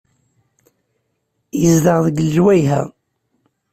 Yezdeɣ deg lejwayeh-a.